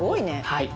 はい。